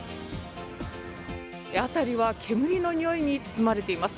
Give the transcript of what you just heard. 辺りは煙のにおいに包まれています。